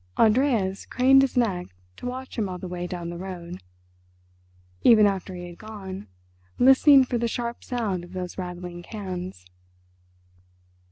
Andreas craned his neck to watch him all the way down the road, even after he had gone, listening for the sharp sound of those rattling cans.